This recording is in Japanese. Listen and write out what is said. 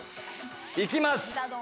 行きます。